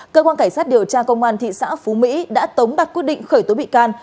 cơ quan cảnh sát điều tra công an thị xã phú mỹ đã tống đặt quyết định khởi tố bị can